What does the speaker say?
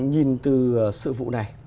nhìn từ sự vụ này